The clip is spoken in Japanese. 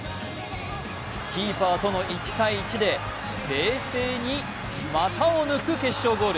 キーパーとの１対１で冷静に股を抜く決勝ゴール！